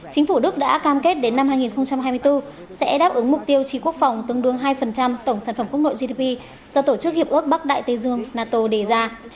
chính phủ đức đã cam kết đến năm hai nghìn hai mươi bốn sẽ đáp ứng mục tiêu chi quốc phòng tương đương hai tổng sản phẩm quốc nội gdp do tổ chức hiệp ước bắc đại tây dương nato đề ra